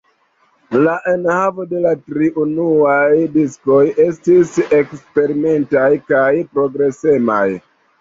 La enhavo de la tri unuaj diskoj estis eksperimentaj kaj progresemaj.